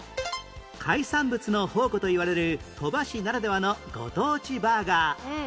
海産物の宝庫といわれる鳥羽市ならではのご当地バーガー